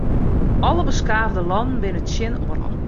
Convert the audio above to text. Alle beskaafde lannen binne tsjin oarloch.